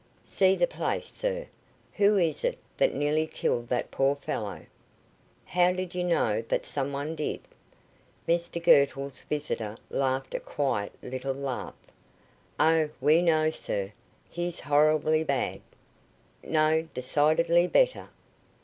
"See the place, sir. Who is it that nearly killed that poor fellow?" "How did you know that some one did?" Mr Girtle's visitor laughed a quiet little laugh. "Oh, we know, sir. He's horribly bad." "No; decidedly better."